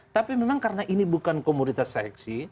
tapi memang karena ini bukan komoditas seksi